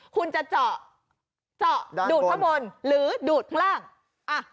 คุณจะเจาะดูดข้างบนหรือดูดข้างล่าง